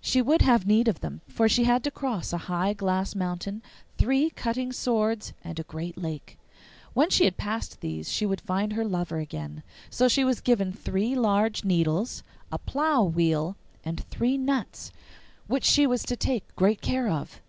She would have need of them, for she had to cross a high glass mountain, three cutting swords, and a great lake. When she had passed these she would find her lover again. So she was given three large needles, a plough wheel, and three nuts, which she was to take great care of.